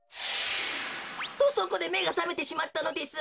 とそこでめがさめてしまったのです。